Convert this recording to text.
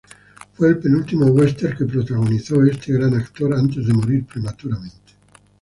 Fue el penúltimo western que protagonizó este gran actor antes de morir prematuramente.